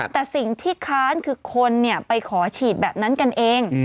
แต่สิ่งที่ค้านคือคนไปขอฉีดแบบนั้นกันเอง